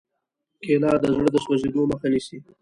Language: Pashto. کېله د زړه د سوځېدو مخه نیسي.